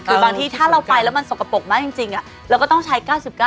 คือบางที่ถ้าเราไปแล้วมันสกปรกมากจริงเราก็ต้องใช้๙๙